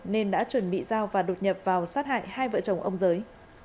nên đã chuẩn bị giao và đột nhập vào sát hại hai vợ chồng ông giới